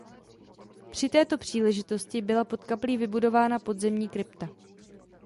Při této příležitosti byla pod kaplí vybudována podzemní krypta.